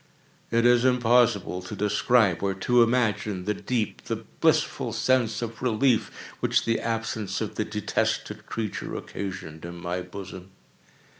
It is impossible to describe, or to imagine, the deep, the blissful sense of relief which the absence of the detested creature occasioned in my bosom.